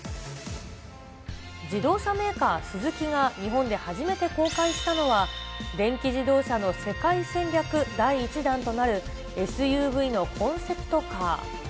自動車メーカー、スズキが日本で初めて公開したのは、電気自動車の世界戦略第１弾となるＳＵＶのコンセプトカー。